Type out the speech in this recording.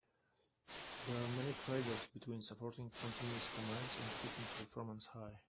There are many trade-offs between supporting continuous commands and keeping performance high.